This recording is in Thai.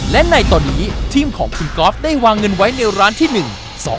และในตอนนี้ทีมของคุณก๊อฟได้วางเงินไว้ในร้านที่หนึ่ง